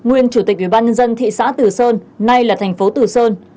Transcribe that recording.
ủy ban nhân dân thị xã tử sơn nay là thành phố tử sơn